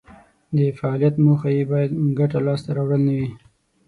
د فعالیت موخه یې باید ګټه لاس ته راوړل نه وي.